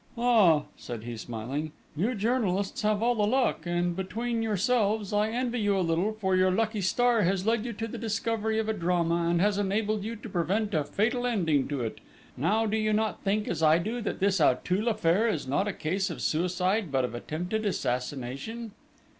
"Ah," said he, smiling, "you journalists have all the luck; and, between yourselves, I envy you a little, for your lucky star has led you to the discovery of a drama, and has enabled you to prevent a fatal ending to it. Now, do you not think, as I do, that this Auteuil affair is not a case of suicide, but of attempted assassination?"